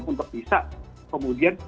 untuk bisa kemudian